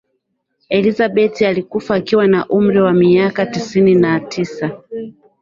elizabeth alikufa akiwa na umri wa miaka sitini na tisa